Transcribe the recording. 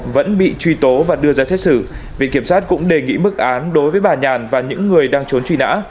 vẫn bị truy tố và đưa ra xét xử viện kiểm sát cũng đề nghị mức án đối với bà nhàn và những người đang trốn truy nã